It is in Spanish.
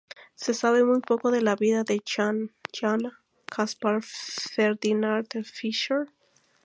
Se sabe muy poco de la vida de Johann Caspar Ferdinand Fischer.